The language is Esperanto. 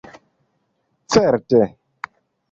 Certe